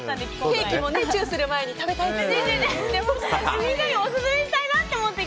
ケーキもチューする前に食べたいって。